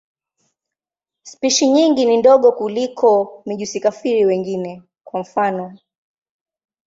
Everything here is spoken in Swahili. Spishi nyingi ni ndogo kuliko mijusi-kafiri wengine, kwa mfano.